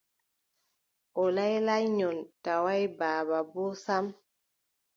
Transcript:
O laylanyoy, tawaay baaba boo sam ;